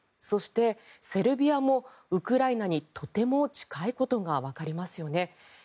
そして、セルビアもウクライナにとても近いことがわかりますよね。